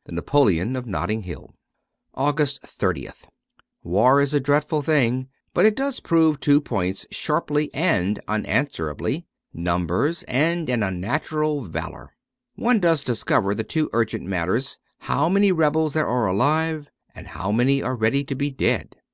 ' The Napoleon of Notting Hill' 267 AUGUST 30th WAR is a dreadful thing ; but it does prove two points sharply and unanswerably — numbers and an unnatural valour. One does discover the two urgent matters ; how many rebels there are alive, and how many are ready to be dead.